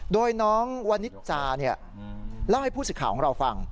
โดยน้องวณิจจารย์เนี่ยเล่าให้ผู้สึกข่าวของเราฟัง